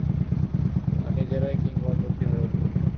আর নিজেরাই কিংবদন্তী হয়ে উঠবে!